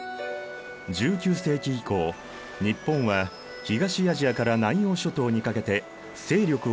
１９世紀以降日本は東アジアから南洋諸島にかけて勢力を拡大。